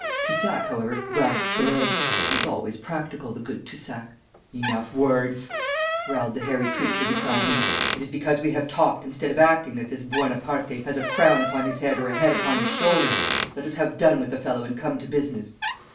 Toussac, however, grasped the legs. He is always practical, the good Toussac.' 'Enough words!' growled the hairy creature beside me. 'It is because we have talked instead of acting that this Buonaparte has a crown upon his head or a head upon his shoulders. Let us have done with the fellow and come to business.'